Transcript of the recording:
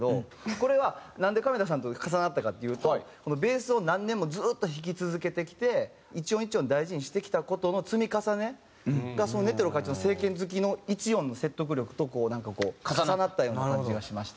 これはなんで亀田さんと重なったかっていうとベースを何年もずーっと弾き続けてきて一音一音大事にしてきた事の積み重ねがそのネテロ会長の正拳突きの一音の説得力とこうなんか重なったような感じがしまして。